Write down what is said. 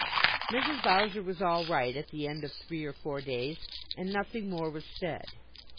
Mrs. Bowser was all right at the end of three or four days, and nothing more was said.